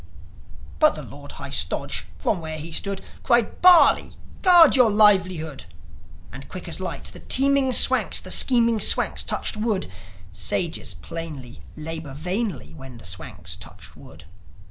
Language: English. But the Lord High Stodge, from where he stood, Cried, "Barley! ... Guard your livelihood!" And, quick as light, the teeming Swanks, The scheming Swanks touched wood. Sages, plainly, labour vainly When the Swanks touch wood.